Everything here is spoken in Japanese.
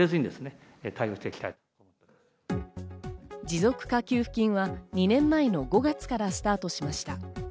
持続化給付金は２年前の５月からスタートしました。